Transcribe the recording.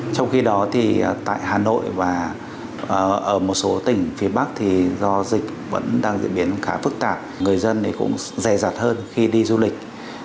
trong khi đó tại hà nội và ở một số tỉnh phía bắc thì do dịch vẫn đang diễn biến khá phức tạp người dân cũng rè rạt hơn khi đi du lịch